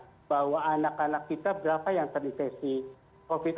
bahwa anak anak kita berapa yang terinfeksi covid sembilan